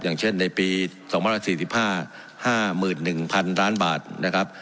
อย่างเช่นในปีสองพันสี่สิบห้าห้าหมื่นหนึ่งพันล้านบาทนะครับ